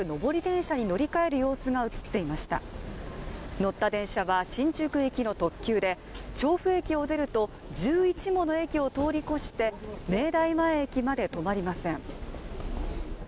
乗った電車は新宿駅の特急で調布駅を出ると、１１もの駅を通り越して、明大前駅まで止まりません。